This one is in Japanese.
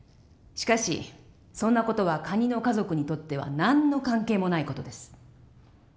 しかしそんな事はカニの家族にとっては何の関係もない事です。